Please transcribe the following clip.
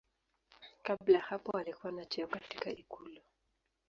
Kabla ya hapo alikuwa na cheo katika ikulu.